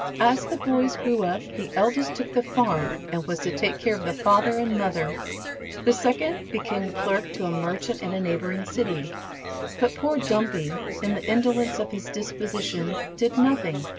As the boys grew up, the eldest took the farm, and was to take care of the father and mother, the second became clerk to a merchant in a neighboring city, but poor Dumpy, in the indolence of his disposition, did nothing.